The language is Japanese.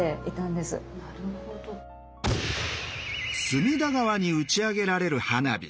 隅田川に打ち上げられる花火。